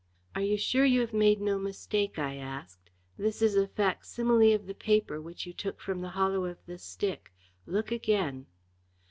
"Are you sure you have made no mistake?" I asked. "This is a facsimile of the paper which you took from the hollow of the stick. Look again!"